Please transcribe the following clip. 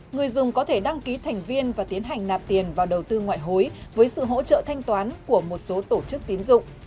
người dùng có thể đăng ký thành viên và tiến hành nạp tiền vào đầu tư ngoại hối với sự hỗ trợ thanh toán của một số tổ chức tín dụng